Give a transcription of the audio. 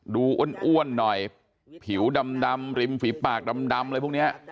อ้วนหน่อยผิวดำริมฝีปากดำอะไรพวกนี้